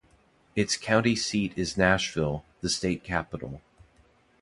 Its county seat is Nashville, the state capital.